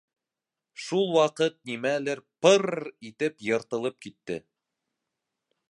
Шул ваҡыт нимәлер пыр-р-р итеп йыртылып китте.